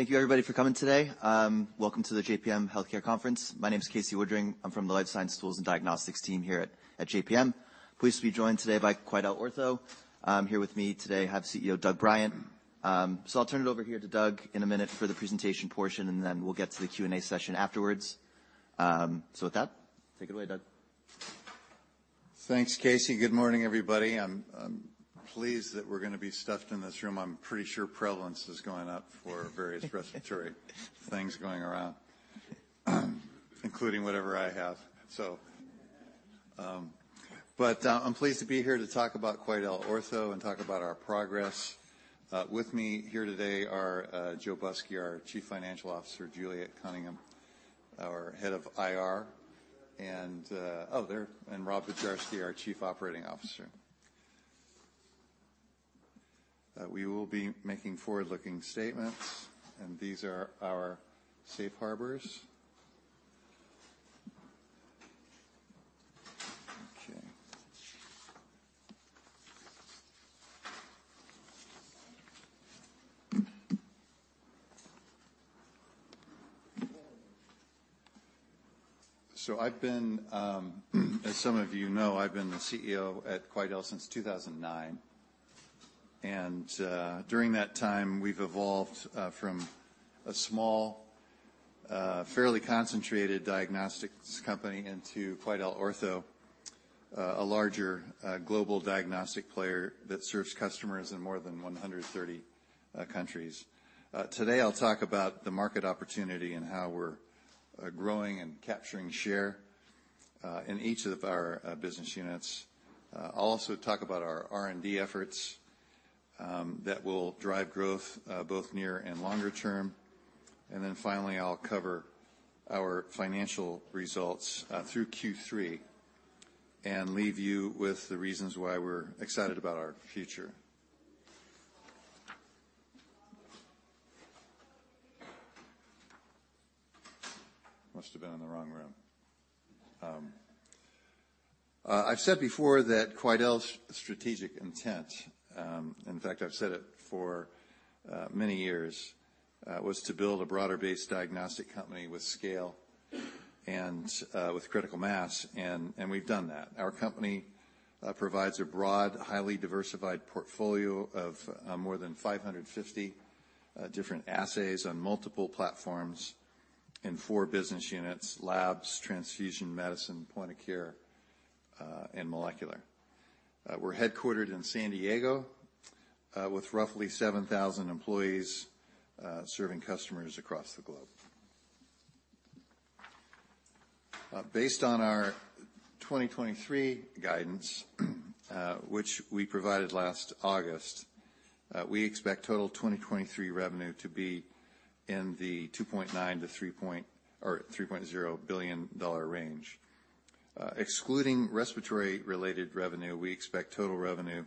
Well, thank you everybody for coming today. Welcome to the JPM Healthcare Conference. My name is Casey Woodring. I'm from the Life Science Tools and Diagnostics team here at JPM. Pleased to be joined today by QuidelOrtho. Here with me today, I have CEO Doug Bryant. So I'll turn it over here to Doug in a minute for the presentation portion, and then we'll get to the Q&A session afterwards. So with that, take it away, Doug. Thanks, Casey. Good morning, everybody. I'm pleased that we're gonna be stuffed in this room. I'm pretty sure prevalence is going up for various respiratory things going around, including whatever I have. So, I'm pleased to be here to talk about QuidelOrtho and talk about our progress. With me here today are Joe Busky, our Chief Financial Officer, Juliet Cunningham, our Head of IR, and Rob Bujarski, our Chief Operating Officer. We will be making forward-looking statements, and these are our safe harbors. Okay. So I've been, as some of you know, I've been the CEO at Quidel since 2009, and, during that time, we've evolved, from a small, fairly concentrated diagnostics company into QuidelOrtho, a larger, global diagnostic player that serves customers in more than 130 countries. Today I'll talk about the market opportunity and how we're, growing and capturing share, in each of our, business units. I'll also talk about our R&D efforts, that will drive growth, both near and longer term. And then finally, I'll cover our financial results, through Q3, and leave you with the reasons why we're excited about our future. Must have been in the wrong room. I've said before that Quidel's strategic intent, In fact, I've said it for many years was to build a broader-based diagnostic company with scale and with critical mass, and we've done that. Our company provides a broad, highly diversified portfolio of more than 550 different assays on multiple platforms in four business units: Labs, Transfusion Medicine, Point-of-Care, and Molecular. We're headquartered in San Diego with roughly 7,000 employees serving customers across the globe. Based on our 2023 guidance, which we provided last August, we expect total 2023 revenue to be in the $2.9 billion-$3.0 billion range. Excluding respiratory-related revenue, we expect total revenue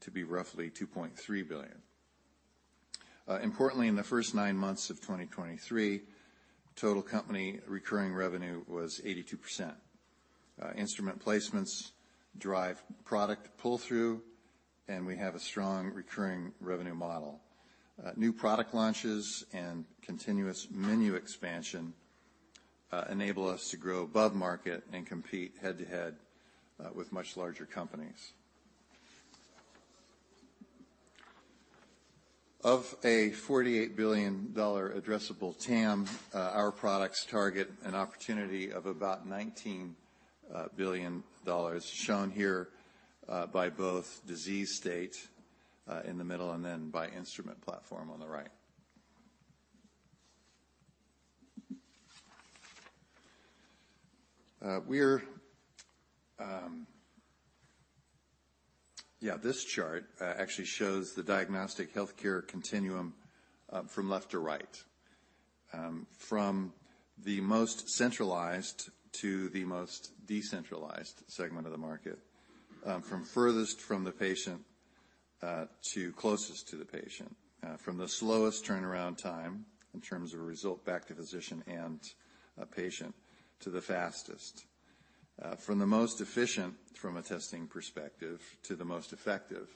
to be roughly $2.3 billion. Importantly, in the first 9 months of 2023, total company recurring revenue was 82%. Instrument placements drive product pull-through, and we have a strong recurring revenue model. New product launches and continuous menu expansion enable us to grow above market and compete head-to-head with much larger companies. Of a $48 billion addressable TAM, our products target an opportunity of about $19 billion, shown here by both disease state in the middle and then by instrument platform on the right. Yeah, this chart actually shows the diagnostic healthcare continuum from left to right. From the most centralized to the most decentralized segment of the market, from furthest from the patient, to closest to the patient, from the slowest turnaround time in terms of result back to physician and a patient, to the fastest. From the most efficient from a testing perspective, to the most effective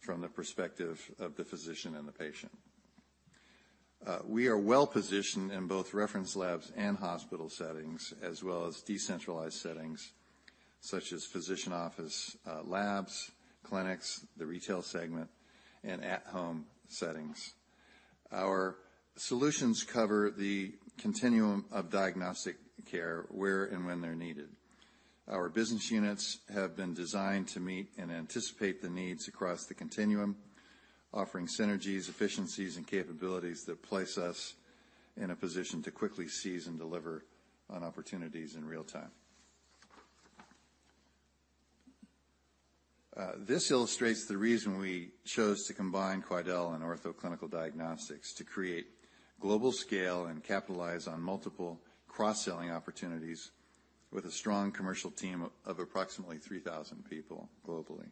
from the perspective of the physician and the patient. We are well positioned in both reference labs and hospital settings, as well as decentralized settings, such as physician office, labs, clinics, the retail segment, and at-home settings. Our solutions cover the continuum of diagnostic care where and when they're needed. Our business units have been designed to meet and anticipate the needs across the continuum, offering synergies, efficiencies, and capabilities that place us in a position to quickly seize and deliver on opportunities in real time. This illustrates the reason we chose to combine Quidel and Ortho Clinical Diagnostics to create global scale and capitalize on multiple cross-selling opportunities with a strong commercial team of approximately 3,000 people globally.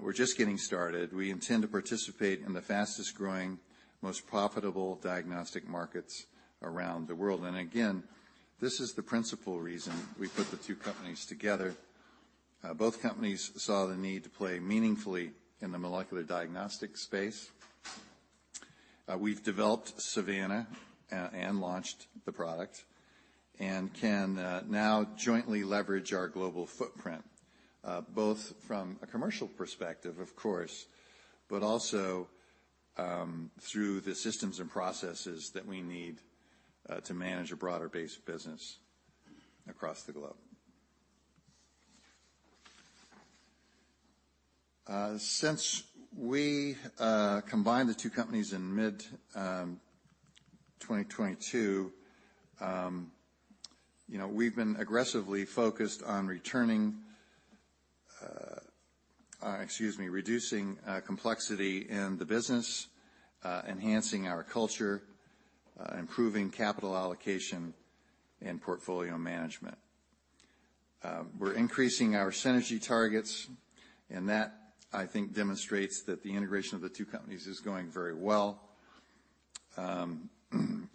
We're just getting started. We intend to participate in the fastest-growing, most profitable diagnostic markets around the world. And again, this is the principal reason we put the two companies together. Both companies saw the need to play meaningfully in the molecular diagnostic space. We've developed Savanna, and launched the product, and can now jointly leverage our global footprint, both from a commercial perspective, of course, but also, through the systems and processes that we need, to manage a broader base of business across the globe. Since we combined the two companies in mid-2022, you know, we've been aggressively focused on returning, excuse me, reducing, complexity in the business, enhancing our culture, improving capital allocation and portfolio management. We're increasing our synergy targets, and that, I think, demonstrates that the integration of the two companies is going very well.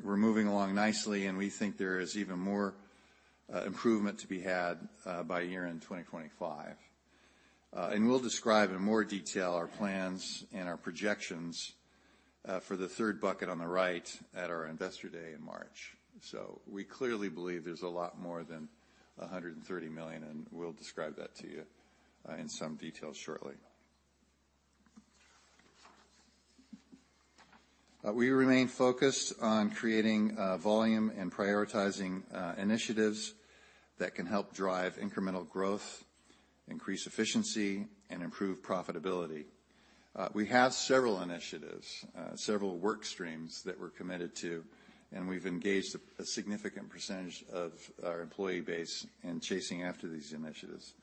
We're moving along nicely, and we think there is even more improvement to be had by year-end 2025. And we'll describe in more detail our plans and our projections for the third bucket on the right at our Investor Day in March. So we clearly believe there's a lot more than $130 million, and we'll describe that to you in some detail shortly. We remain focused on creating volume and prioritizing initiatives that can help drive incremental growth, increase efficiency, and improve profitability. We have several initiatives, several work streams that we're committed to, and we've engaged a significant percentage of our employee base in chasing after these initiatives.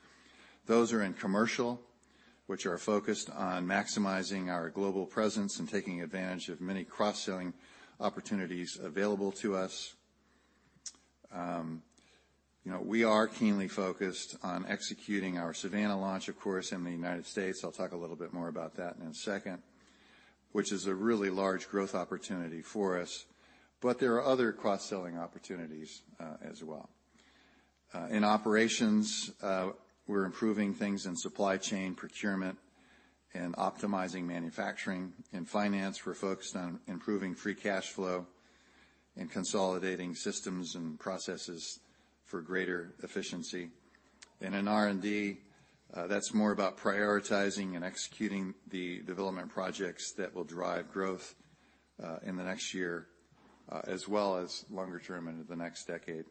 Those are in commercial, which are focused on maximizing our global presence and taking advantage of many cross-selling opportunities available to us. You know, we are keenly focused on executing our Savanna launch, of course, in the United States. I'll talk a little bit more about that in a second, which is a really large growth opportunity for us, but there are other cross-selling opportunities, as well. In operations, we're improving things in supply chain procurement and optimizing manufacturing. In finance, we're focused on improving free cash flow and consolidating systems and processes for greater efficiency. And in R&D, that's more about prioritizing and executing the development projects that will drive growth, in the next year, as well as longer term into the next decade.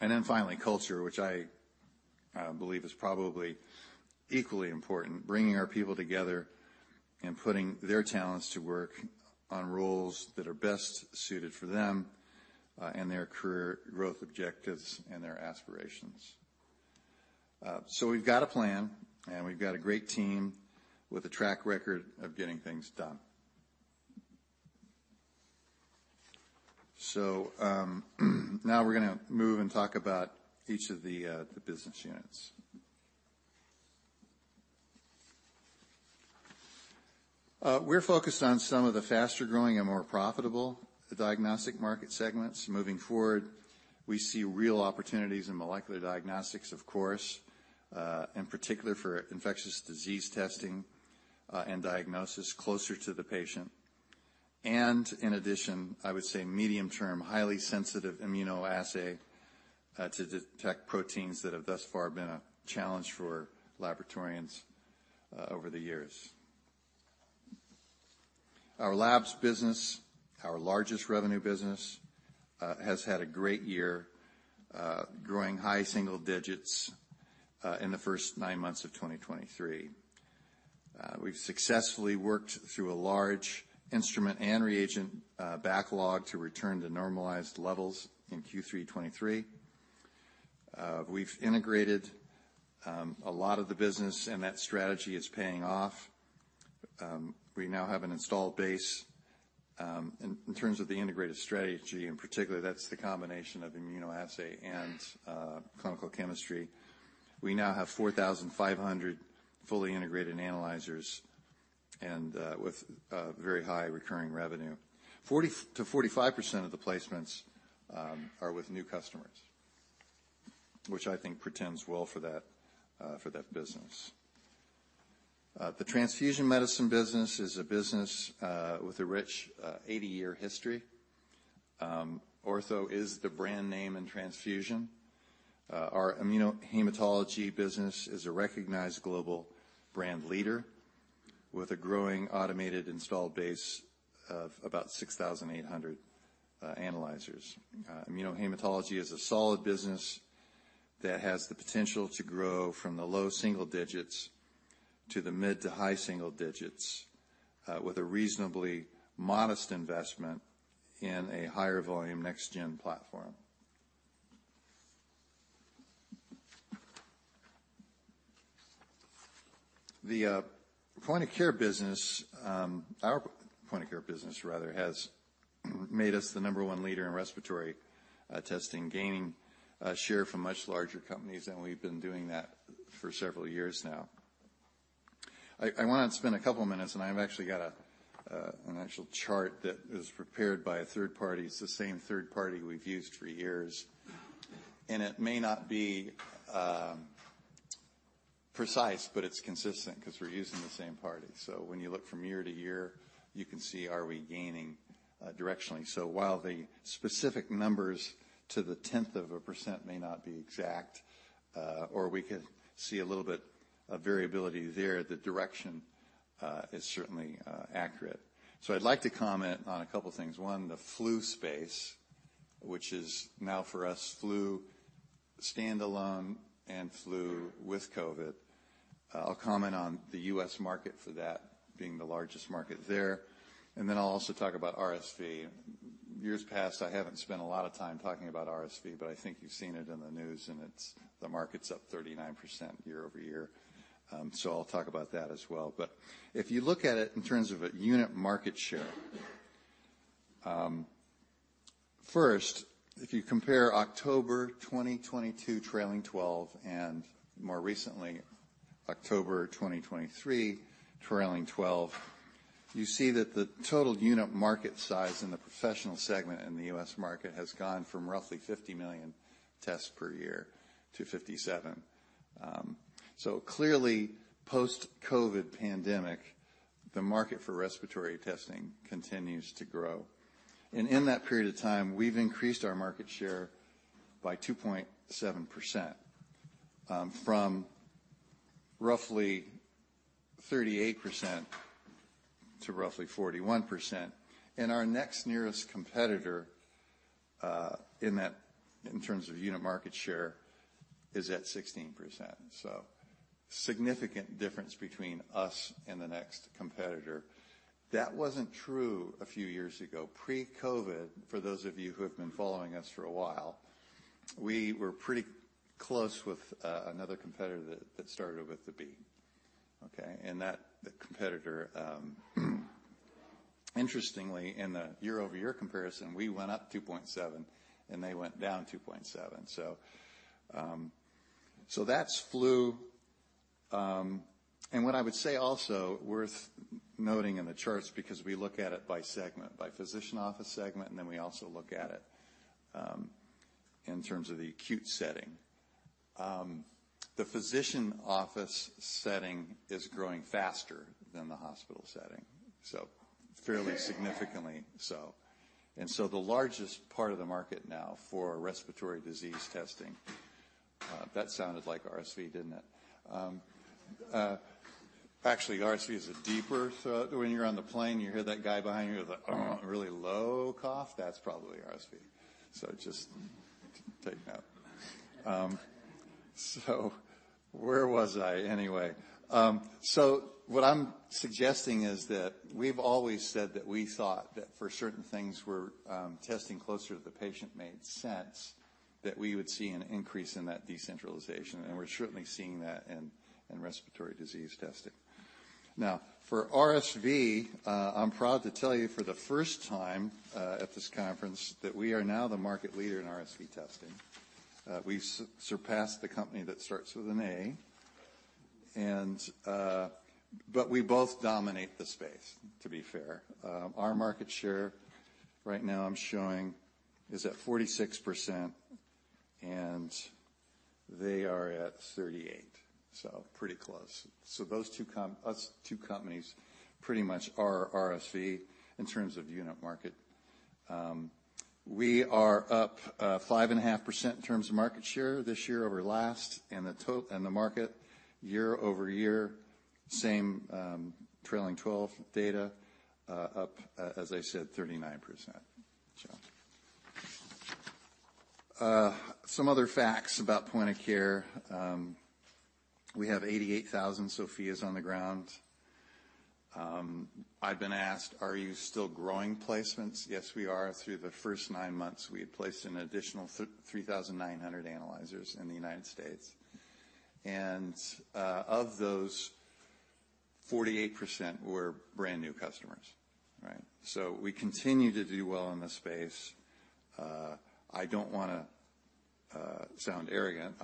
And then finally, culture, which I, believe is probably equally important, bringing our people together and putting their talents to work on roles that are best suited for them, and their career growth objectives and their aspirations. So we've got a plan, and we've got a great team with a track record of getting things done. So, now we're going to move and talk about each of the, the business units. We're focused on some of the faster-growing and more profitable diagnostic market segments. Moving forward, we see real opportunities in molecular diagnostics, of course, in particular for infectious disease testing, and diagnosis closer to the patient. In addition, I would say medium-term, highly sensitive immunoassay, to detect proteins that have thus far been a challenge for laboratorians, over the years. Our labs business, our largest revenue business, has had a great year, growing high single digits, in the first 9 months of 2023. We've successfully worked through a large instrument and reagent, backlog to return to normalized levels in Q3 2023. We've integrated a lot of the business, and that strategy is paying off. We now have an installed base, in terms of the integrated strategy, in particular, that's the combination of immunoassay and clinical chemistry. We now have 4,500 fully integrated analyzers and with very high recurring revenue. 40%-45% of the placements are with new customers, which I think portends well for that business. The Transfusion Medicine business is a business with a rich 80-year history. Ortho is the brand name in transfusion. Our Immunohematology business is a recognized global brand leader with a growing automated installed base of about 6,800 analyzers. Immunohematology is a solid business that has the potential to grow from the low single digits to the mid to high single digits with a reasonably modest investment in a higher volume next-gen platform. The point-of-care business, our point-of-care business rather, has made us the number one leader in respiratory testing, gaining share from much larger companies, and we've been doing that for several years now. I wanna spend a couple minutes, and I've actually got an actual chart that is prepared by a third party. It's the same third party we've used for years. And it may not be precise, but it's consistent 'cause we're using the same party. So when you look from year to year, you can see, are we gaining directionally? So while the specific numbers to the tenth of a percent may not be exact, or we could see a little bit of variability there, the direction is certainly accurate. So I'd like to comment on a couple things. One, the flu space, which is now for us, flu standalone and flu with COVID. I'll comment on the U.S. market for that being the largest market there, and then I'll also talk about RSV. Years past, I haven't spent a lot of time talking about RSV, but I think you've seen it in the news, and it's the market's up 39% year-over-year. So I'll talk about that as well. But if you look at it in terms of a unit market share, first, if you compare October 2022, trailing twelve, and more recently, October 2023, trailing twelve, you see that the total unit market size in the professional segment in the U.S. market has gone from roughly 50 million tests per year to 57. So clearly, post-COVID pandemic, the market for respiratory testing continues to grow. In that period of time, we've increased our market share by 2.7%, from roughly 38% to roughly 41%. Our next nearest competitor, in that, in terms of unit market share, is at 16%. So significant difference between us and the next competitor. That wasn't true a few years ago. Pre-COVID, for those of you who have been following us for a while, we were pretty close with another competitor that started with a B, okay? That competitor, interestingly, in a year-over-year comparison, we went up 2.7, and they went down 2.7. So that's flu. And what I would say also worth noting in the charts, because we look at it by segment, by physician office segment, and then we also look at it in terms of the acute setting. The physician office setting is growing faster than the hospital setting, so fairly significantly so. And so the largest part of the market now for respiratory disease testing. That sounded like RSV, didn't it? Actually, RSV is a deeper throat. When you're on the plane, you hear that guy behind you with a really low cough, that's probably RSV. So just take note. So where was I, anyway? So what I'm suggesting is that we've always said that we thought that for certain things, where testing closer to the patient made sense, that we would see an increase in that decentralization, and we're certainly seeing that in respiratory disease testing. Now, for RSV, I'm proud to tell you for the first time at this conference, that we are now the market leader in RSV testing. We've surpassed the company that starts with an A, and. But we both dominate the space, to be fair. Our market share right now I'm showing is at 46%, and they are at 38, so pretty close. So those two us two companies pretty much are RSV in terms of unit market. We are up 5.5% in terms of market share this year over last, and the market year-over-year, same, trailing twelve data, up, as I said, 39%. So some other facts about point-of-care. We have 88,000 Sofias on the ground. I've been asked: Are you still growing placements? Yes, we are. Through the first nine months, we had placed an additional 3,900 analyzers in the United States. And of those, 48% were brand-new customers, right? So we continue to do well in this space. I don't wanna sound arrogant,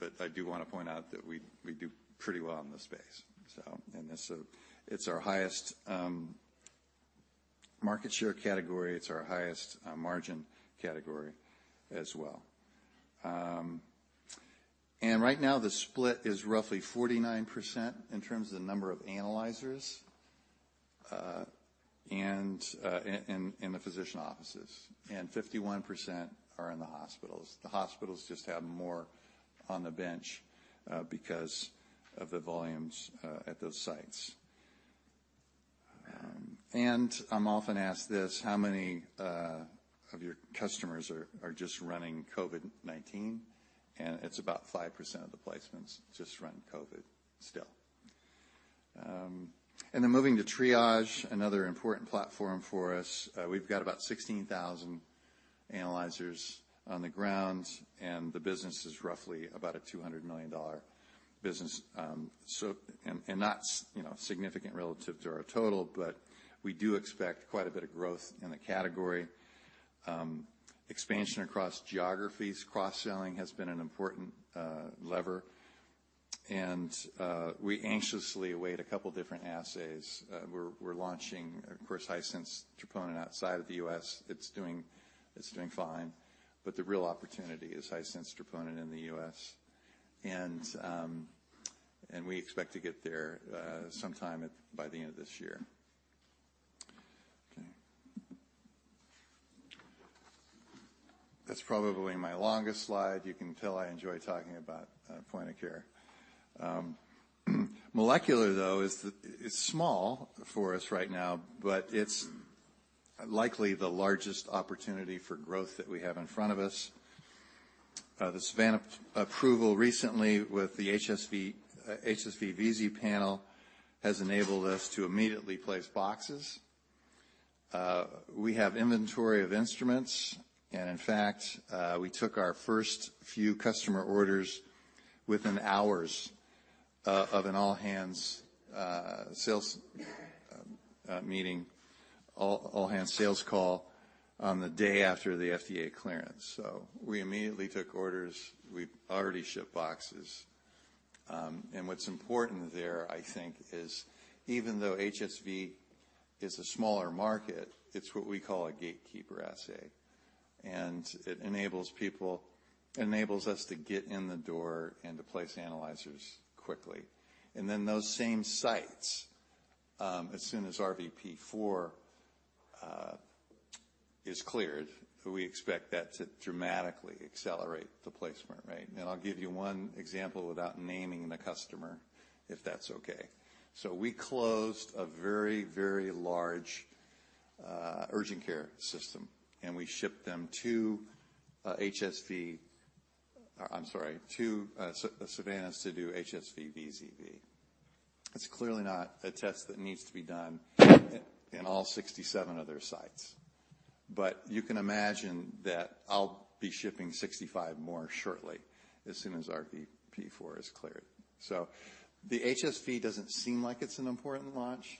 but I do wanna point out that we, we do pretty well in the space. So and this, it's our highest market share category. It's our highest margin category as well. Right now, the split is roughly 49% in terms of the number of analyzers, and in the physician offices, and 51% are in the hospitals. The hospitals just have more on the bench, because of the volumes, at those sites. And I'm often asked this: How many of your customers are just running COVID-19? And it's about 5% of the placements just run COVID still. And then moving to Triage, another important platform for us. We've got about 16,000 analyzers on the ground, and the business is roughly about a $200 million business. So, and that's, you know, significant relative to our total, but we do expect quite a bit of growth in the category. Expansion across geographies, cross-selling has been an important lever. We anxiously await a couple different assays. We're launching, of course, high-sensitivity troponin outside of the U.S. It's doing fine, but the real opportunity is high-sensitivity troponin in the U.S. We expect to get there sometime by the end of this year. Okay. That's probably my longest slide. You can tell I enjoy talking about point-of-care. Molecular, though, is small for us right now, but it's likely the largest opportunity for growth that we have in front of us. The Savanna approval recently with the HSV, HSV VZV panel, has enabled us to immediately place boxes. We have inventory of instruments, and in fact, we took our first few customer orders within hours of an all-hands sales meeting, all-hands sales call on the day after the FDA clearance. So we immediately took orders. We've already shipped boxes. What's important there, I think, is even though HSV is a smaller market, it's what we call a gatekeeper assay, and it enables people. It enables us to get in the door and to place analyzers quickly. Then those same sites, as soon as RVP is cleared, we expect that to dramatically accelerate the placement, right? I'll give you one example without naming the customer, if that's okay. We closed a very, very large urgent care system, and we shipped them two. I'm sorry, two Savannas to do HSV VZV. It's clearly not a test that needs to be done in all 67 of their sites, but you can imagine that I'll be shipping 65 more shortly, as soon as RVP4 is cleared. So the HSV doesn't seem like it's an important launch,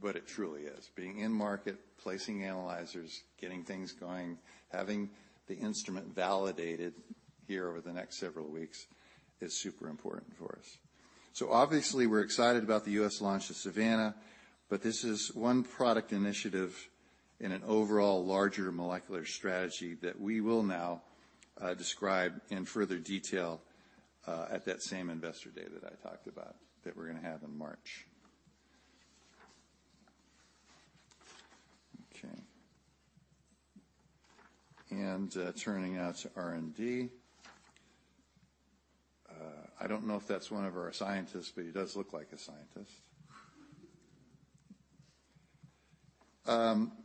but it truly is. Being in market, placing analyzers, getting things going, having the instrument validated here over the next several weeks, is super important for us. So obviously, we're excited about the U.S. launch of Savanna, but this is one product initiative in an overall larger molecular strategy that we will now describe in further detail at that same investor day that I talked about, that we're gonna have in March. Okay. And turning now to R&D. I don't know if that's one of our scientists, but he does look like a scientist.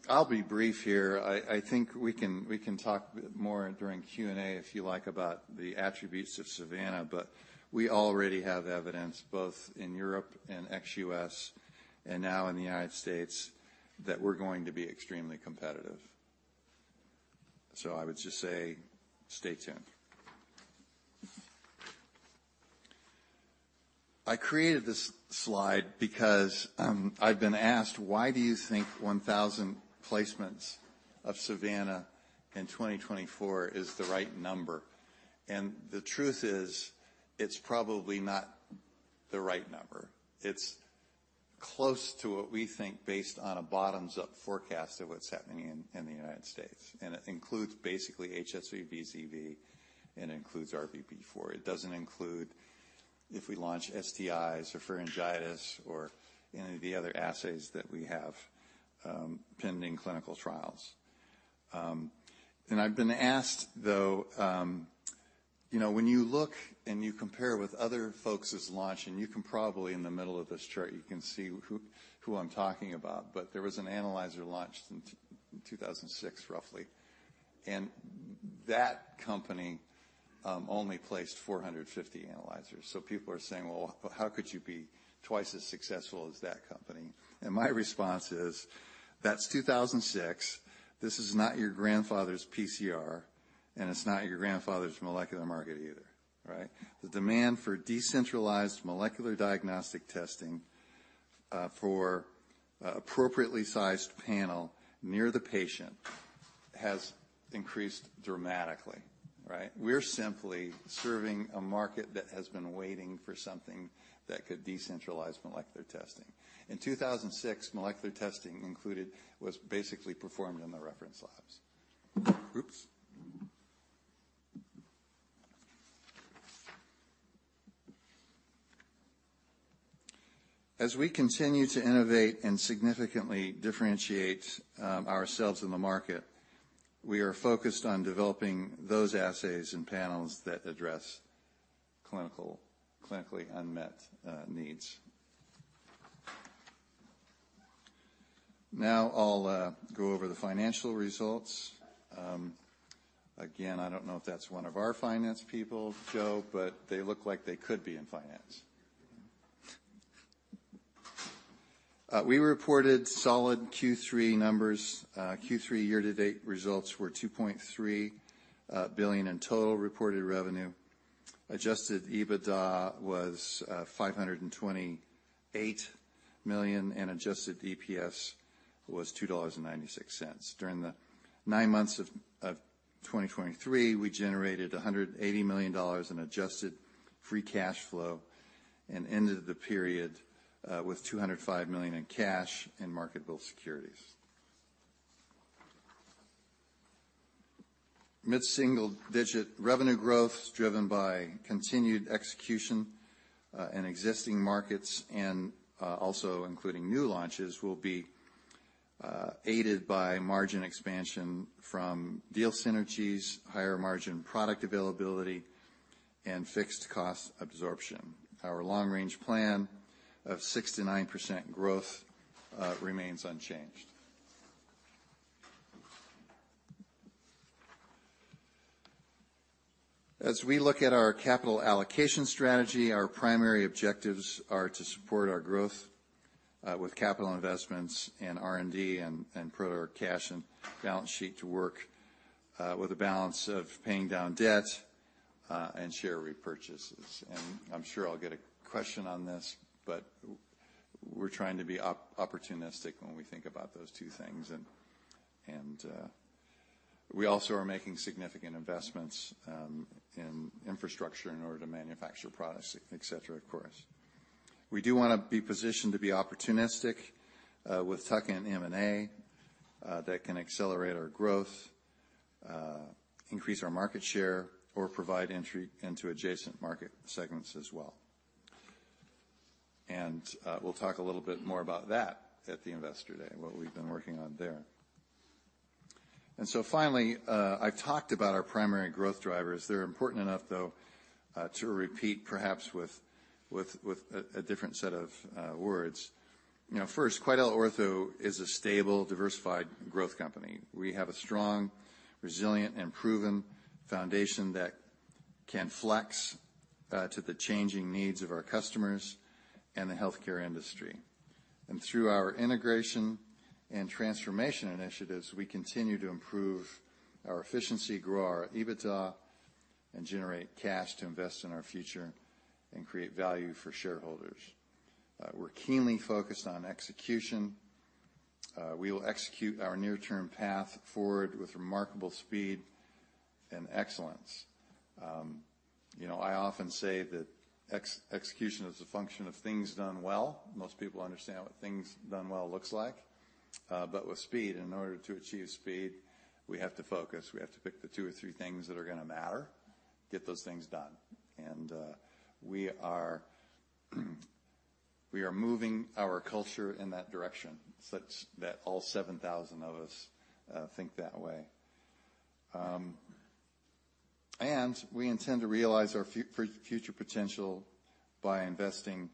I'll be brief here. I think we can talk more during Q&A, if you like, about the attributes of Savanna, but we already have evidence both in Europe and ex-US, and now in the United States, that we're going to be extremely competitive. So I would just say, stay tuned. I created this slide because I've been asked: Why do you think 1,000 placements of Savanna in 2024 is the right number? The truth is, it's probably not the right number. It's close to what we think based on a bottoms-up forecast of what's happening in the United States. It includes basically HSV VZV, and includes RVP4. It doesn't include if we launch STIs or pharyngitis or any of the other assays that we have pending clinical trials. And I've been asked, though, you know, when you look and you compare with other folks's launch, and you can probably in the middle of this chart, you can see who, who I'm talking about. But there was an analyzer launched in 2006, roughly, and that company only placed 450 analyzers. So people are saying: "Well, how could you be twice as successful as that company?" And my response is: That's 2006. This is not your grandfather's PCR, and it's not your grandfather's molecular market either, right? The demand for decentralized molecular diagnostic testing for appropriately sized panel near the patient has increased dramatically, right? We're simply serving a market that has been waiting for something that could decentralize molecular testing. In 2006, molecular testing included, was basically performed in the reference labs. Oops! As we continue to innovate and significantly differentiate ourselves in the market, we are focused on developing those assays and panels that address clinically unmet needs. Now I'll go over the financial results. Again, I don't know if that's one of our finance people, Joe, but they look like they could be in finance. We reported solid Q3 numbers. Q3 year-to-date results were $2.3 billion in total reported revenue. Adjusted EBITDA was $528 million, and adjusted EPS was $2.96. During the nine months of 2023, we generated $180 million in adjusted free cash flow, and ended the period with $205 million in cash and marketable securities. Mid-single-digit revenue growth, driven by continued execution in existing markets and also including new launches, will be aided by margin expansion from deal synergies, higher margin product availability, and fixed cost absorption. Our long-range plan of 6%-9% growth remains unchanged. As we look at our capital allocation strategy, our primary objectives are to support our growth with capital investments and R&D and put our cash and balance sheet to work with a balance of paying down debt and share repurchases. And I'm sure I'll get a question on this, but we're trying to be opportunistic when we think about those two things. And we also are making significant investments in infrastructure in order to manufacture products, et cetera, of course. We do wanna be positioned to be opportunistic, with tuck-in M&A, that can accelerate our growth, increase our market share, or provide entry into adjacent market segments as well. And, we'll talk a little bit more about that at the Investor Day, and what we've been working on there. And so finally, I've talked about our primary growth drivers. They're important enough, though, to repeat perhaps with a different set of words. You know, first, QuidelOrtho is a stable, diversified growth company. We have a strong, resilient, and proven foundation that can flex to the changing needs of our customers and the healthcare industry. And through our integration and transformation initiatives, we continue to improve our efficiency, grow our EBITDA, and generate cash to invest in our future and create value for shareholders. We're keenly focused on execution. We will execute our near-term path forward with remarkable speed and excellence. You know, I often say that execution is a function of things done well. Most people understand what things done well looks like, but with speed. And in order to achieve speed, we have to focus. We have to pick the two or three things that are gonna matter, get those things done, and we are moving our culture in that direction, such that all 7,000 of us think that way. And we intend to realize our future potential by investing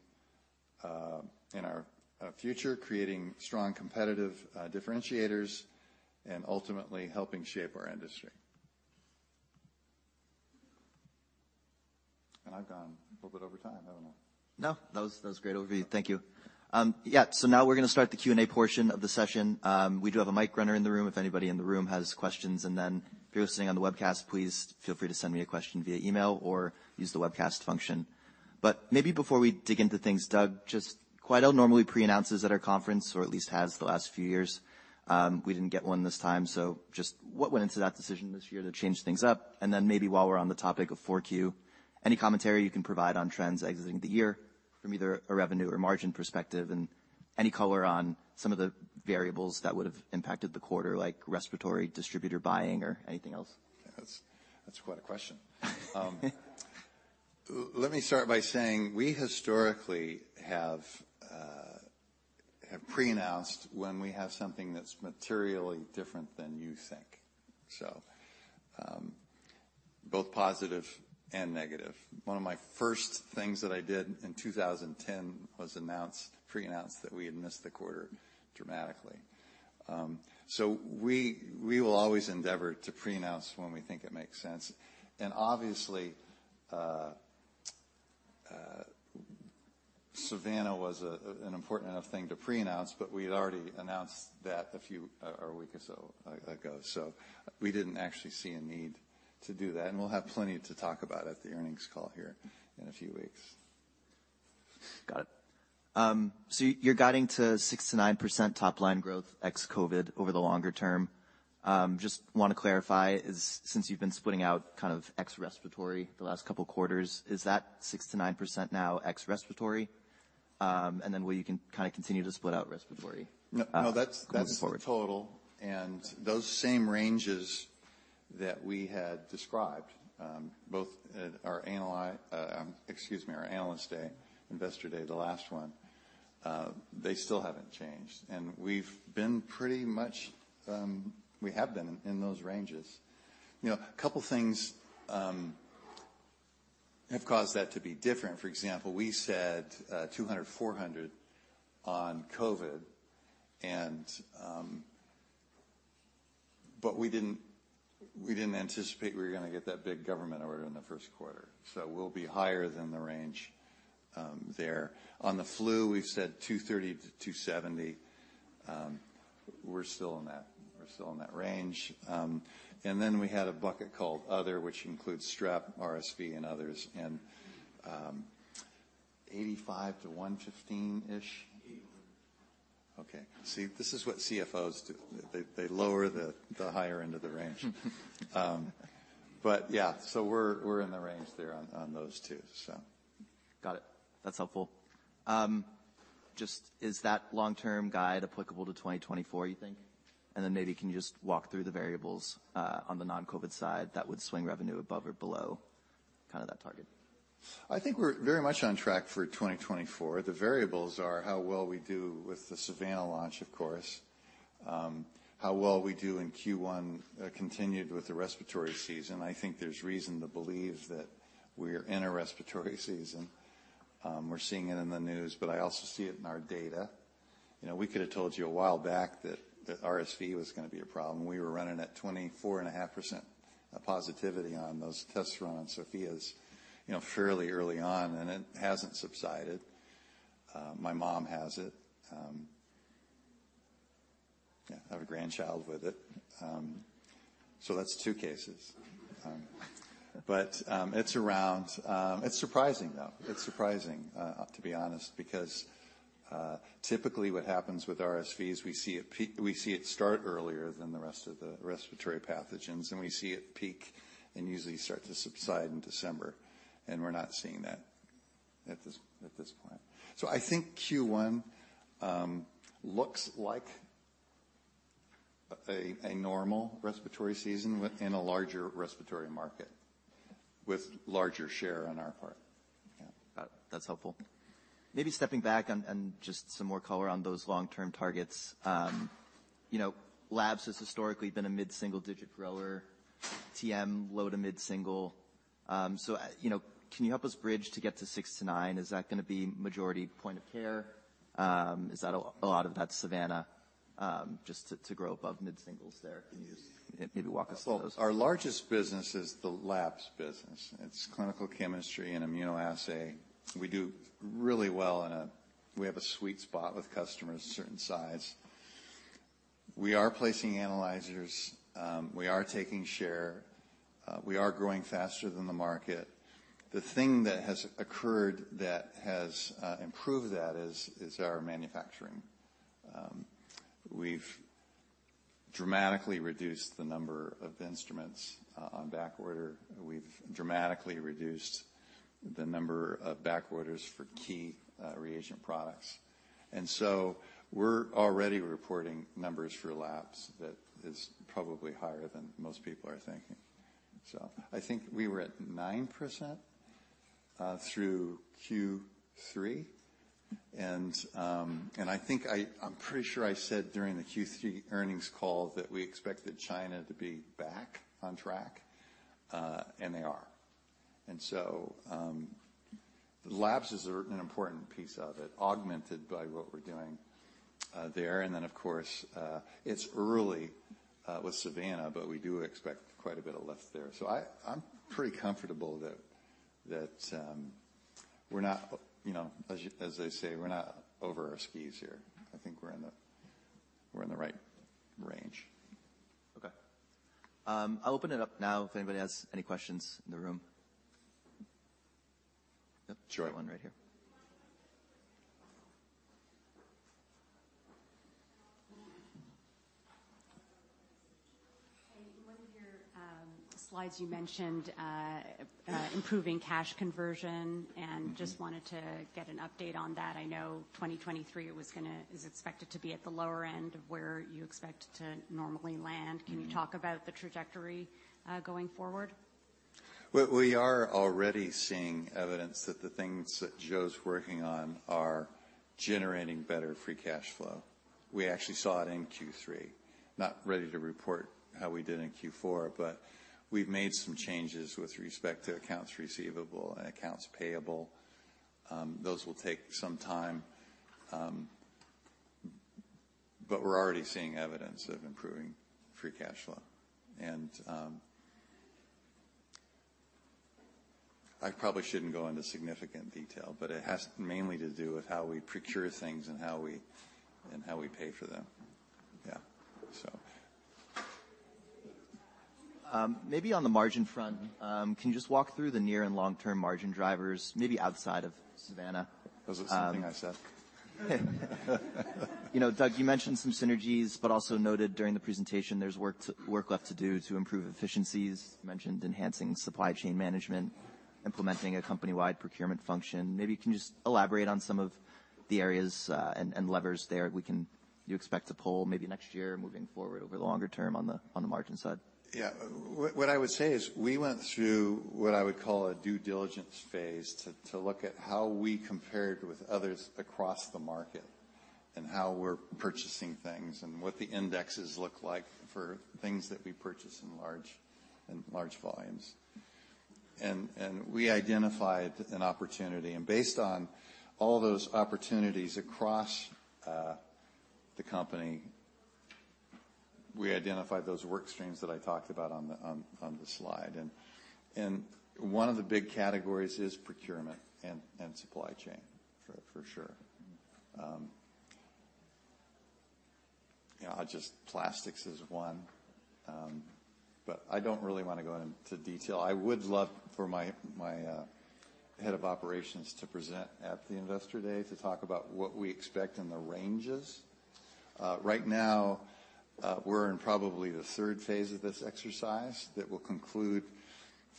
in our future, creating strong, competitive differentiators, and ultimately helping shape our industry. And I've gone a little bit over time, haven't I? No, that was, that was great overview. Thank you. Yeah, so now we're gonna start the Q&A portion of the session. We do have a mic runner in the room, if anybody in the room has questions. And then, if you're listening on the webcast, please feel free to send me a question via email or use the webcast function. But maybe before we dig into things, Doug, just Quidel normally pre-announces at our conference, or at least has the last few years. We didn't get one this time, so just what went into that decision this year to change things up? Maybe while we're on the topic of Q4, any commentary you can provide on trends exiting the year from either a revenue or margin perspective, and any color on some of the variables that would've impacted the quarter, like respiratory distributor buying or anything else? That's quite a question. Let me start by saying we historically have pre-announced when we have something that's materially different than you think. So, both positive and negative. One of my first things that I did in 2010 was pre-announce that we had missed the quarter dramatically. So we will always endeavor to pre-announce when we think it makes sense. And obviously, Savanna was an important enough thing to pre-announce, but we had already announced that a few a week or so ago, so we didn't actually see a need to do that. And we'll have plenty to talk about at the earnings call here in a few weeks. Got it. So you're guiding to 6%-9% top line growth ex-COVID over the longer term. Just wanna clarify, is, since you've been splitting out kind of ex-respiratory the last couple quarters, is that 6%-9% now, ex-respiratory? And then will you can kinda continue to split out respiratory? No, no, that's- Going forward. -that's the total. And those same ranges that we had described, both at our Analyst Day, Investor Day, the last one, they still haven't changed. And we've been pretty much, we have been in those ranges. You know, a couple things have caused that to be different. For example, we said $200-$400 on COVID, and. But we didn't anticipate we were gonna get that big government order in the first quarter, so we'll be higher than the range there. On the flu, we've said $230-$270. We're still in that, we're still in that range. And then we had a bucket called other, which includes strep, RSV, and others, and $85-$115-ish? Eight. Okay. See, this is what CFOs do. They lower the higher end of the range. But yeah, so we're in the range there on those two, so. Got it. That's helpful. Just is that long-term guide applicable to 2024, you think? And then maybe, can you just walk through the variables on the non-COVID side that would swing revenue above or below kind of that target? I think we're very much on track for 2024. The variables are how well we do with the Savanna launch, of course, how well we do in Q1, continued with the respiratory season. I think there's reason to believe that we're in a respiratory season. We're seeing it in the news, but I also see it in our data. You know, we could have told you a while back that RSV was gonna be a problem. We were running at 24.5% of positivity on those tests run on Sofia's, you know, fairly early on, and it hasn't subsided. My mom has it. Yeah, I have a grandchild with it. So that's two cases. But it's around. It's surprising, though. It's surprising, to be honest, because typically, what happens with RSV is we see it start earlier than the rest of the respiratory pathogens, and we see it peak and usually start to subside in December, and we're not seeing that at this point. So I think Q1 looks like a normal respiratory season in a larger respiratory market with larger share on our part. Yeah. That's helpful. Maybe stepping back on, and just some more color on those long-term targets. You know, labs has historically been a mid-single-digit grower, TM, low to mid-single. So, you know, can you help us bridge to get to 6-9? Is that gonna be majority point of care? Is that a, a lot of that Savanna, just to, to grow above mid-singles there? Can you just maybe walk us through those? Well, our largest business is the Labs business. It's clinical chemistry and immunoassay. We do really well in a sweet spot with customers, a certain size. We are placing analyzers, we are taking share, we are growing faster than the market. The thing that has occurred that has improved that is our manufacturing. We've dramatically reduced the number of instruments on backorder. We've dramatically reduced the number of back orders for key reagent products. And so we're already reporting numbers for labs that is probably higher than most people are thinking. So I think we were at 9% through Q3. And I think I'm pretty sure I said during the Q3 earnings call that we expected China to be back on track, and they are. So, Labs is an important piece of it, augmented by what we're doing there. And then, of course, it's early with Savanna, but we do expect quite a bit of lift there. So I'm pretty comfortable that we're not, you know, as they say, we're not over our skis here. I think we're in the right range. Okay. I'll open it up now if anybody has any questions in the room. Sure. One right here. In one of your slides, you mentioned improving cash conversion- Mm-hmm. Just wanted to get an update on that. I know 2023 is expected to be at the lower end of where you expect to normally land. Mm-hmm. Can you talk about the trajectory, going forward? Well, we are already seeing evidence that the things that Joe's working on are generating better free cash flow. We actually saw it in Q3. Not ready to report how we did in Q4, but we've made some changes with respect to accounts receivable and accounts payable. Those will take some time, but we're already seeing evidence of improving free cash flow. I probably shouldn't go into significant detail, but it has mainly to do with how we procure things and how we pay for them. Yeah, so. Maybe on the margin front, can you just walk through the near and long-term margin drivers, maybe outside of Savanna? Was it something I said? You know, Doug, you mentioned some synergies, but also noted during the presentation, there's work left to do to improve efficiencies. You mentioned enhancing supply chain management, implementing a company-wide procurement function. Maybe you can just elaborate on some of the areas and levers there you expect to pull maybe next year, moving forward over the longer term on the margin side? Yeah. What I would say is, we went through what I would call a due diligence phase, to look at how we compared with others across the market, and how we're purchasing things, and what the indexes look like for things that we purchase in large volumes. And we identified an opportunity, and based on all those opportunities across the company, we identified those work streams that I talked about on the slide. And one of the big categories is procurement and supply chain, for sure. You know, just plastics is one, but I don't really wanna go into detail. I would love for my head of operations to present at the Investor Day to talk about what we expect in the ranges. Right now, we're in probably the third phase of this exercise that will conclude,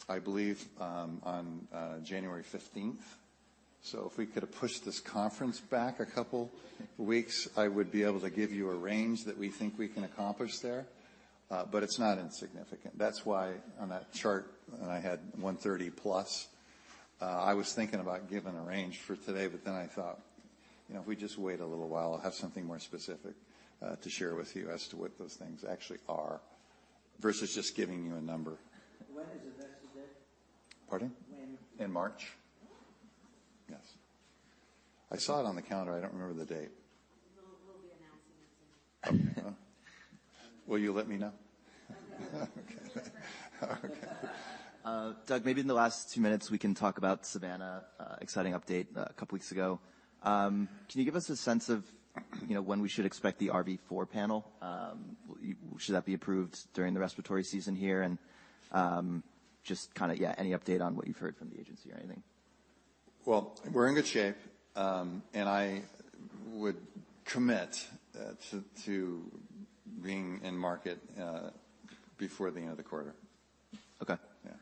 I believe, on January fifteenth. So if we could have pushed this conference back a couple weeks, I would be able to give you a range that we think we can accomplish there. But it's not insignificant. That's why on that chart, and I had 130+, I was thinking about giving a range for today, but then I thought, you know, if we just wait a little while, I'll have something more specific to share with you as to what those things actually are, versus just giving you a number. When is Investor Day? Pardon? When? In March. Oh! Yes. I saw it on the calendar. I don't remember the date. We'll, we'll be announcing it soon. Will you let me know? Okay. Okay. Doug, maybe in the last two minutes, we can talk about Savanna, exciting update a couple of weeks ago. Can you give us a sense of, you know, when we should expect the RVP4 panel? Should that be approved during the respiratory season here? And, just kinda, any update on what you've heard from the agency or anything? Well, we're in good shape, and I would commit to being in market before the end of the quarter. Okay. Yeah.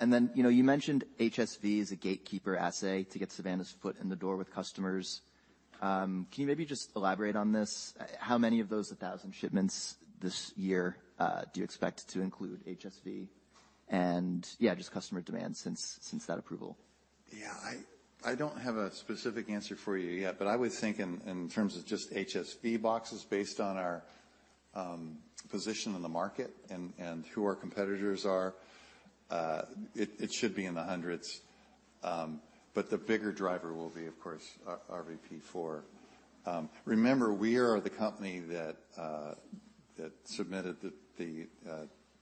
And then, you know, you mentioned HSV as a gatekeeper assay to get Savanna's foot in the door with customers. Can you maybe just elaborate on this? How many of those 1,000 shipments this year do you expect to include HSV and, yeah, just customer demand since, since that approval? Yeah, I don't have a specific answer for you yet, but I would think in terms of just HSV boxes based on our position in the market and who our competitors are, it should be in the hundreds. But the bigger driver will be, of course, RVP4. Remember, we are the company that submitted the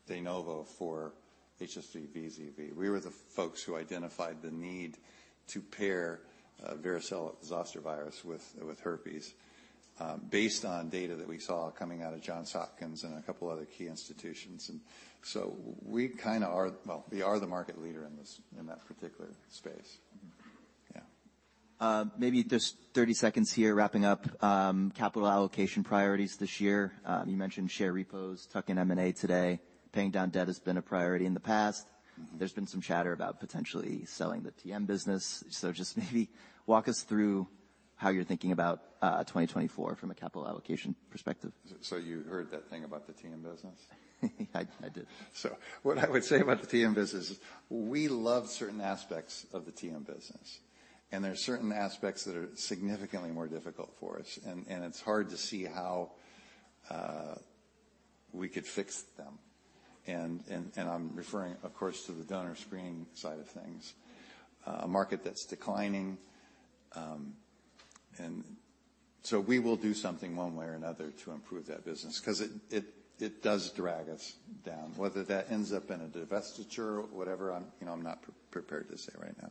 de novo for HSV VZV. We were the folks who identified the need to pair varicella-zoster virus with herpes based on data that we saw coming out of Johns Hopkins and a couple other key institutions. And so we kinda are, well, we are the market leader in this, in that particular space. Yeah. Maybe just 30 seconds here, wrapping up, capital allocation priorities this year. You mentioned share repos, tuck in M&A today. Paying down debt has been a priority in the past. Mm-hmm. There's been some chatter about potentially selling the TM business. So just maybe walk us through how you're thinking about 2024 from a capital allocation perspective. You heard that thing about the TM business? I did. So what I would say about the TM business is, we love certain aspects of the TM business, and there are certain aspects that are significantly more difficult for us, and I'm referring, of course, to the donor screening side of things, a market that's declining. And so we will do something one way or another to improve that business because it does drag us down. Whether that ends up in a divestiture, whatever, you know, I'm not prepared to say right now.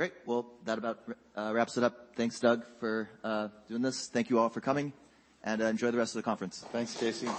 Great! Well, that about wraps it up. Thanks, Doug, for doing this. Thank you all for coming, and enjoy the rest of the conference. Thanks, Casey.